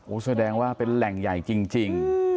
แสดงว่าเป็นแหล่งใหญ่จริง